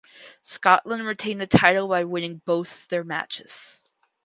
Scotland retained the title by winning both their matches.